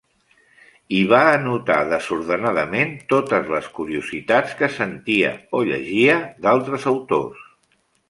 Hi va anotar desordenadament totes les curiositats que sentia o llegia d'altres autors.